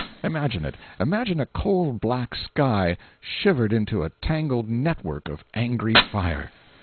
Imagine it—imagine a coal black sky shivered into a tangled net work of angry fire!